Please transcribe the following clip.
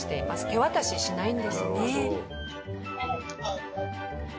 手渡ししないんですね。